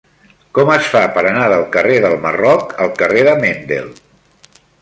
Com es fa per anar del carrer del Marroc al carrer de Mendel?